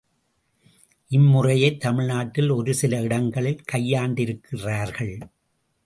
இம்முறையை தமிழ்நாட்டில் ஒரு சில இடங்களில் கையாண்டிருக்கிறார்கள்.